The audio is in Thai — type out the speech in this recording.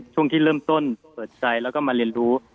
ช่วงที่เริ่มต้นเปิดใจแล้วก็มาเรียนรู้